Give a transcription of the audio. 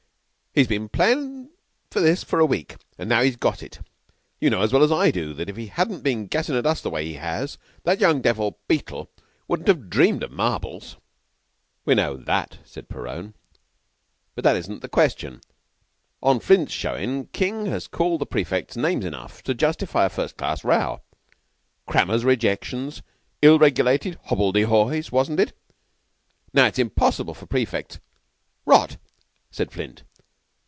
"He's been playin' for this for a week, and now he's got it. You know as well as I do that if he hadn't been gassing at us the way he has, that young devil Beetle wouldn't have dreamed of marbles." "We know that," said Perowne, "but that isn't the question. On Flint's showin' King has called the prefects names enough to justify a first class row. Crammers' rejections, ill regulated hobble de hoys, wasn't it? Now it's impossible for prefects " "Rot," said Flint.